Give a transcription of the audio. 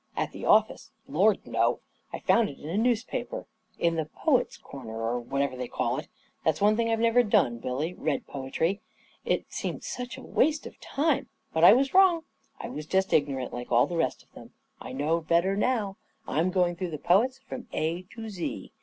" At the office ? Lord, no ! I found it in a news paper — in the ' Poets' Corner,' or whatever they call it. That's one thing I've never done, Billy — read poetry. It seemed such a waste of time. But I was wrong — I was just ignorant, like all the rest of them ! I know better now — I'm going through the poets from A to Z.